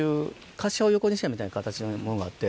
滑車を横にしたみたいな形のものがあって。